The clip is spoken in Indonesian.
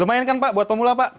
lumayan kan pak buat pemula pak